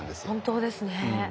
本当ですね。